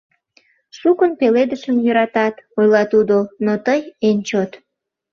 — Шукын пеледышым йӧратат, — ойла тудо, — но тый — эн чот.